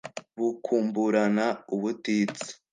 bukumburana ubutitsa